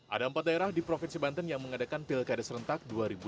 ada empat daerah di provinsi banten yang mengadakan pilkada serentak dua ribu delapan belas